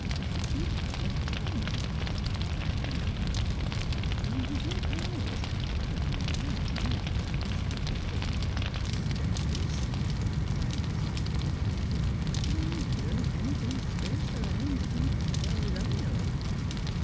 "As teeth of hen?" inquired Madeleine. " Oh, y' don't always hev t' put in th' hen, ev'ry time you speak o' things bein' skurse/' replied Miss Malvina kindly, " tho' th' ain't anythin' any skurser 'an hen's teeth, fur's I know."